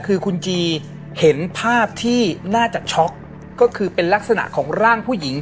คือคุณจีเห็นภาพที่น่าจะช็อกก็คือเป็นลักษณะของร่างผู้หญิง